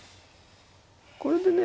これでね